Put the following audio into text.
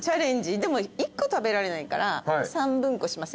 でも１個食べられないから３分こしません？